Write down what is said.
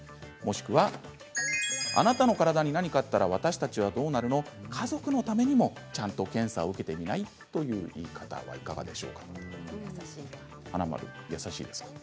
もしくは、あなたの体に何かあったら私たちはどうなるの家族のためにもちゃんと検査を受けてみない？という言い方をするのはいかがでしょうかということです。